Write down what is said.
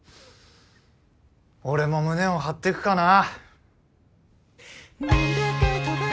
俺も胸を張ってくかな。